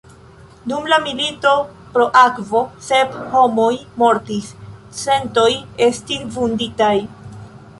Dum la „milito pro akvo“ sep homoj mortis, centoj estis vunditaj.